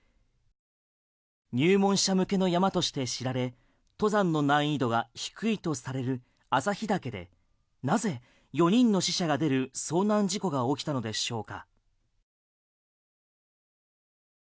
入門者向けの山として知られ登山の難易度が低いとされる朝日岳でなぜ４人の死者が出る遭難事故が起きたのでしょうか？